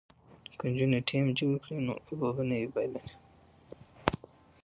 که نجونې ټیم جوړ کړي نو لوبه به نه وي بایللې.